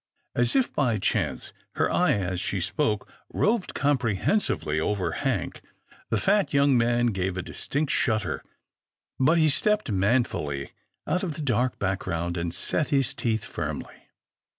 As if by chance, her eye, as she spoke, roved comprehensively over Hank. The fat young man gave a distinct shudder, but he stepped manfully out from the dark background, and set his teeth firmly.